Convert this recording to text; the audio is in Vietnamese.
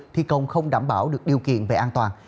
thi công không đảm bảo được điều kiện về an toàn